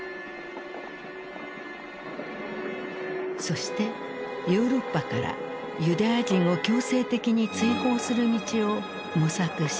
そしてヨーロッパからユダヤ人を強制的に追放する道を模索し始めた。